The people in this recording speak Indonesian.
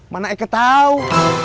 mana eket tau